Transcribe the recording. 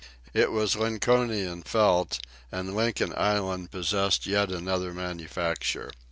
It was "Lincolnian felt," and Lincoln Island possessed yet another manufacture.